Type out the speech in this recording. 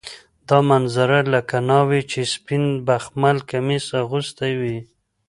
دا منظره لکه ناوې چې سپین بخمل کمیس اغوستی وي.